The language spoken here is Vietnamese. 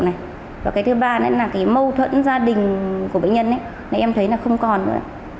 này và cái thứ ba nữa là cái mâu thuẫn gia đình của bệnh nhân này em thấy là không còn nữa